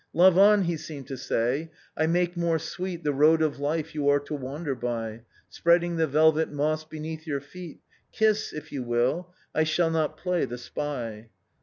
"' Love on !' he seemed to say, ' I make more sweet The road of life you are to wander by. Spreading the velvet moss beneath your feet; Kiss, if you will; I shall not play the spy.